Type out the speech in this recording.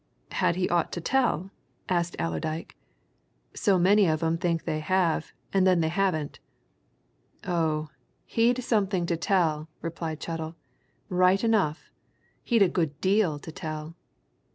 "Had he aught to tell?" asked Allerdyke. "So many of 'em think they have, and then they haven't." "Oh, he'd something to tell!" replied Chettle. "Right enough, he'd a good deal to tell.